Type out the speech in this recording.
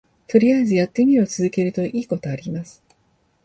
とりあえずやってみるを続けるといいことあります